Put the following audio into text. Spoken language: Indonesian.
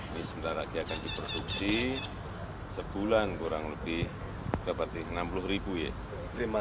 ini sebentar lagi akan diproduksi sebulan kurang lebih enam puluh ribu ya